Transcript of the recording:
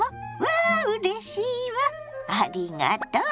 わあうれしいわありがとう！